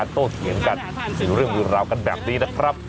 ไม่ต้องไปเผาสารนะครับ